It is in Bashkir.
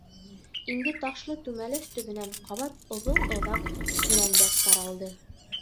Инде ташлы түмәләс төбөнән ҡабат оҙон-оҙаҡ һөрәндәк таралды: